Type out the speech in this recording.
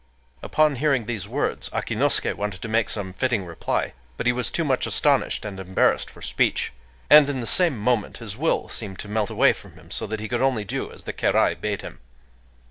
Upon hearing these words Akinosuké wanted to make some fitting reply; but he was too much astonished and embarrassed for speech;—and in the same moment his will seemed to melt away from him, so that he could only do as the kérai bade him.